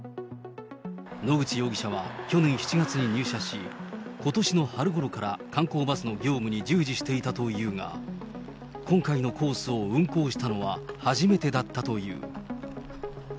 野口容疑者は去年７月に入社し、ことしの春ごろから観光バスの業務に従事していたというが、今回のコースを運行したのは初めてだったという。